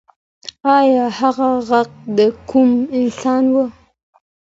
ایا هغه غږ د کوم انسان و؟